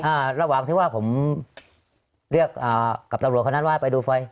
ระหว่างที่ว่าผมเรียกอ่ากับตำรวจคนนั้นว่าให้ไปดูไฟ